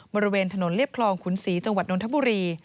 บริเวณถนนเรียบคลองขุนศรีจังหวัดนทบุรี